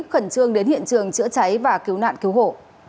khẩn trương đến hiện trường chữa cháy và cứu nạn cứu hộ